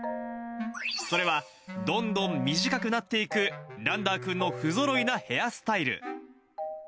それはどんどん短くなっていくランダーくんの不ぞろいなヘアスタイル。